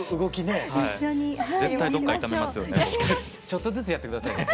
ちょっとずつやって下さいね。